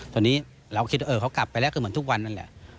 ตอนนี้เราคิดว่าเขากลับไปแล้วก็เหมือนทุกวันนั่นแหละ